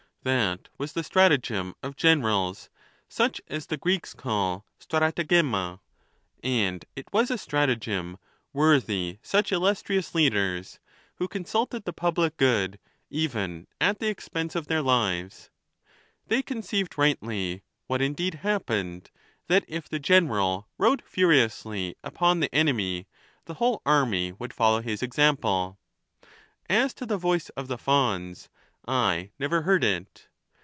That was the stratagem of generals such as the Greeks call (TTparriyrifia, and it was a stratagem worthy such illus trious leaders, who consulted the public good even at the expense of their lives : they conceived rightly, what indeed happened, that if the general rode furiously upon the ene my, the whole army would follow his example. As to the voice of the Fauns, I never heard it.